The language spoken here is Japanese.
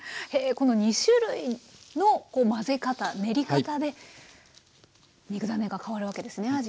へえこの２種類の混ぜ方練り方で肉ダネが変わるわけですね